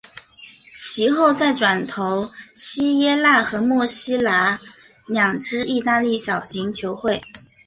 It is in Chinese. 其后再转投锡耶纳和墨西拿两支意大利小型球会。